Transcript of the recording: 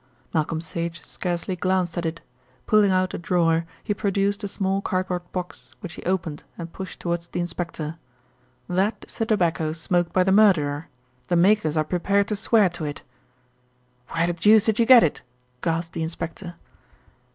Malcolm Sage scarcely glanced at it. Pulling out a drawer he produced a small cardboard box, which he opened and pushed towards the inspector. "That is the tobacco smoked by the murderer. The makers are prepared to swear to it." "Where the deuce did you get it?" gasped the inspector.